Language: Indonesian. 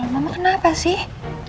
mama kenapa sih